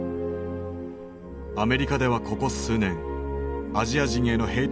アメリカではここ数年アジア人へのヘイト